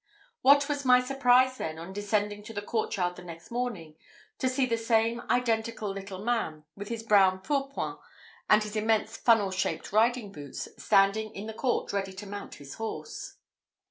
What was my surprise, then, on descending to the courtyard the next morning, to see the same identical little man, with his brown pourpoint, and his immense funnel shaped riding boots, standing in the court ready to mount his horse.